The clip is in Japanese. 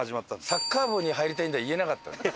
「サッカー部に入りたい」とは言えなかったんだよ。